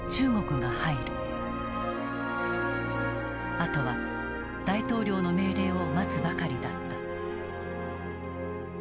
あとは大統領の命令を待つばかりだった。